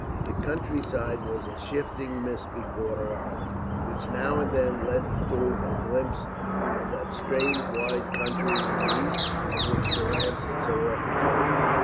The country side was a shifting mist before her eyes, which now and then let through a glimpse of that strange wide country in the East, of which Durrance had so often told her.